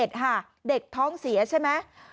วันที่๓๑เด็กท้องเสียใช่ไหม